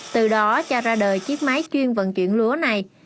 từ đó cho ra đời chiếc máy chuyên vận chuyển lúa này